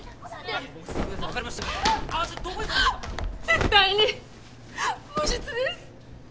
・絶対に無実です。